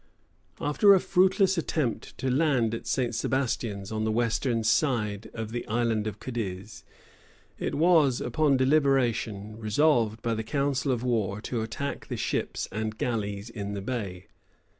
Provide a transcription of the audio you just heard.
After a fruitless attempt to land at St. Sebastian's, on the western side of the Island of Cadiz, it was, upon deliberation, resolved by the council of war to attack the ships and galleys in the bay.